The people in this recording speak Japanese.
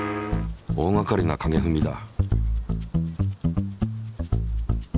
大がかりな影ふみだ。